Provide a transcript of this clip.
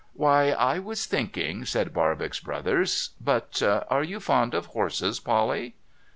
' Why, I was thinking,' said Barbox Brothers, '— but arc you fond of horses, Polly